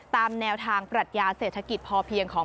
ตามแนวทางปรัชญาเศรษฐกิจพอเพียงของ